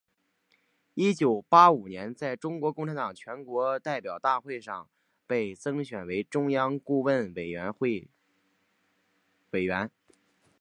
一九八五年在中国共产党全国代表大会上被增选为中央顾问委员会委员。